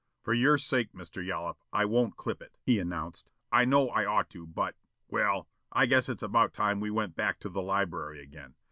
"For your sake, Mr. Yollop, I won't clip it," he announced. "I know I'd ought to, but Well, I guess it's about time we went back to the library again.